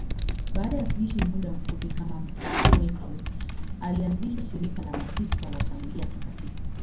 Baada ya kuishi muda mfupi kama mkaapweke, alianzisha shirika la Masista wa Familia Takatifu.